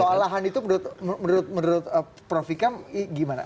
soal lahan itu menurut prof ikam gimana